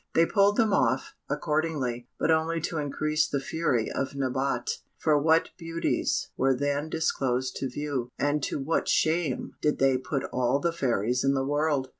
They pulled them off, accordingly, but only to increase the fury of Nabote, for what beauties were then disclosed to view, and to what shame did they put all the fairies in the world!